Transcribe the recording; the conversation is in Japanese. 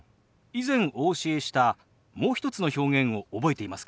以前お教えしたもう一つの表現を覚えていますか？